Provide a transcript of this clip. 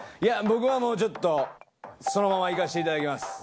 僕はもうちょっとそのままいかせていただきます